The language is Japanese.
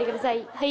はい。